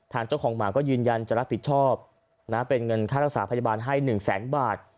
ทางเจ้าของหมาก็ยืนยันจะรับผิดชอบนะเป็นเงินค่ารักษาพยาบาลให้๑แสนบาท